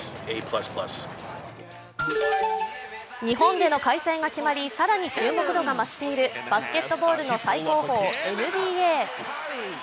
日本での開催が決まり更に注目度が増しているバスケットボールの最高峰、ＮＢＡ。